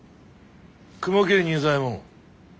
雲霧仁左衛門。